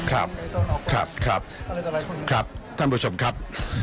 ครับครับครับครับท่านผู้ชมครับ